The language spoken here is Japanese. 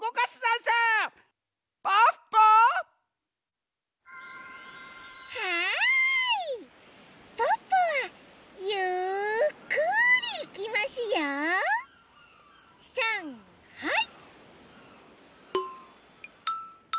さんはい！